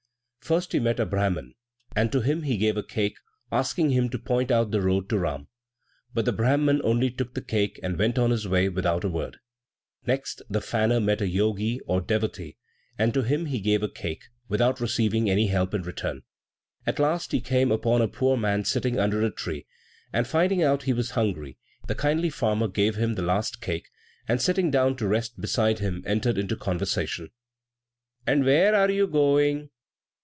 First he met a Brahman, and to him he gave a cake, asking him to point out the road to Ram; but the Brahman only took the cake and went on his way without a word. Next the farmer met a Jogi or devotee, and to him he gave a cake, without receiving any help in return. At last, he came upon a poor man sitting under a tree, and finding out he was hungry, the kindly farmer gave him his last cake, and sitting down to rest beside him, entered into conversation. "And where are you going?"